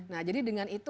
nah jadi dengan itu